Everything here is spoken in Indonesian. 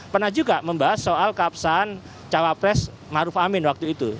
pernah juga membahas soal keabsahan cawapres maruf amin waktu itu